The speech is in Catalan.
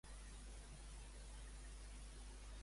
Quan fou diputada al Parlament català?